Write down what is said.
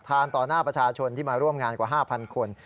ต่อหน้าประชาชนที่มาร่วมงานกว่า๕๐๐คน